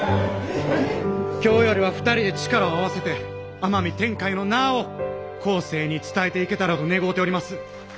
今日よりは２人で力を合わせて天海天海の名を後世に伝えていけたらと願うております。